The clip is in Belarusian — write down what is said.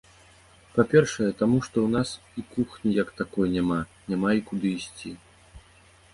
Па-першае, таму, што ў нас і кухні як такой няма, няма і куды ісці.